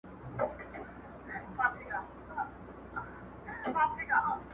o دا شی په گلونو کي راونغاړه.